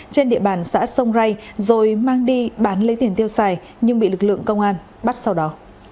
trên địa bàn xã sông rai rồi mang đi bán lấy tiền tiêu xài nhưng bị lực lượng công an bắt sau đó